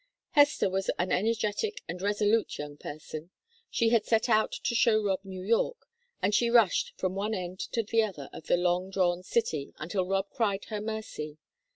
Hester was an energetic and resolute young person. She had set out to show Rob New York, and she rushed from one end to the other of the long drawn city until Rob cried her mercy.